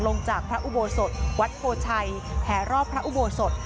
ลงจากทรัพย์อุโบสถวัดโศชัยแผ่รอบทรัพย์อุโบสถ